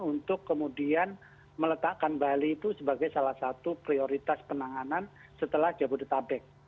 untuk kemudian meletakkan bali itu sebagai salah satu prioritas penanganan setelah jabodetabek